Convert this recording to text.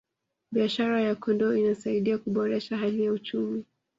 biashara ya kondoo inasaidia kuboresha hali ya uchumi